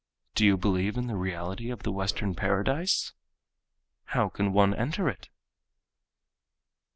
Do you believe in the reality of the Western Paradise? How can one enter it?